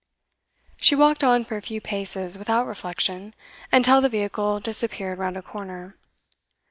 She walked on for a few paces without reflection, until the vehicle disappeared round a corner.